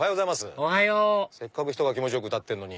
おはようせっかく気持ちよく歌ってんのに。